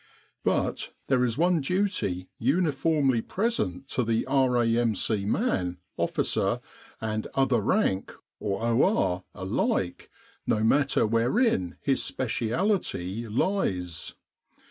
But there is one duty uniformly present to the R.A.M.C. man, officer and "O.R." alike, no matter wherein his speciality lies.